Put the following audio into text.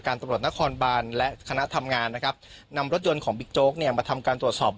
ตำรวจนครบานและคณะทำงานนะครับนำรถยนต์ของบิ๊กโจ๊กเนี่ยมาทำการตรวจสอบ